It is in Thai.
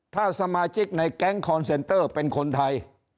ถ้าสมาชิกในแก๊งคอนเซนเตอร์เป็นคนไทย